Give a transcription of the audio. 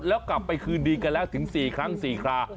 แล้วกลับไปคืนดีกันแล้วถึง๔ครั้ง๔ครา